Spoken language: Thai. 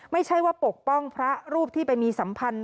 ไม่ใช่ว่าปกป้องพระรูปที่ไปมีสัมพันธ์